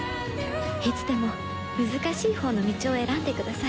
いつでも難しい方の道を選んでください